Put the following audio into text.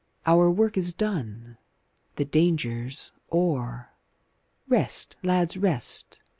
our work is done The danger's o'er! Rest, lads, rest!